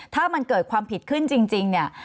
ถ้ามันเกิดความผิดขึ้นจริงเนี่ย